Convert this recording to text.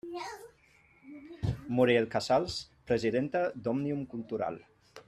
Muriel Casals, presidenta d'Òmnium Cultural.